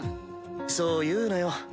そう言うなよ。